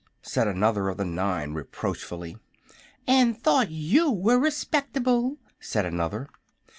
said another of the nine, reproachfully. "And thought you were respectable!" said another.